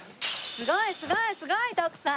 すごいすごいすごい徳さん！